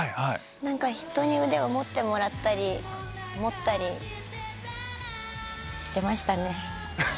人に腕を持ってもらったり持ったりしてましたね。